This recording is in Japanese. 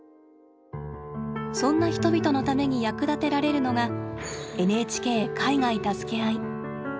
そんな人々のために役立てられるのが「ＮＨＫ海外たすけあい」。